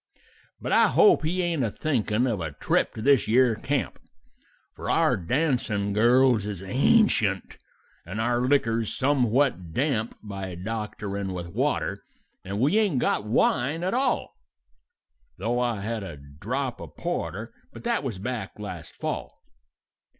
"But I hope he ain't a thinkin' of a trip to this yere camp, For our dancin' girls is ancient, and our liquor's somewhat damp By doctorin' with water, and we ain't got wine at all, Though I had a drop of porter but that was back last fall.